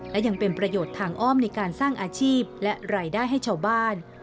และยังเป็นประโยชน์ทางอ้อมในการสร้างอาชีพและรายได้ให้ชาวบ้าน